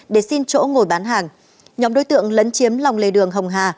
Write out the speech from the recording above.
để xin chỗ ngồi bán hàng nhóm đối tượng lấn chiếm lòng lề đường hồng hà